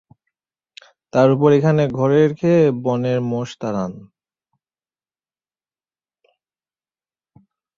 তার উপর এখানে ঘরের খেয়ে বনের মোষ তাড়ান।